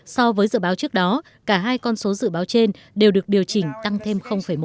so với dự báo trước đó cả hai con số dự báo trên đều được điều chỉnh tăng thêm một